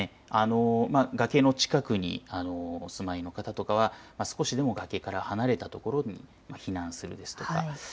崖の近くにお住まいの方とかは少しでも崖から離れた所に避難するですとか